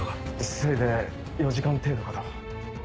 せいぜい４時間程度かと。